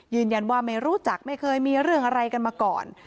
ยืนยันว่าไม่รู้จักไม่เคยมีเรื่องอะไรกันมาก่อน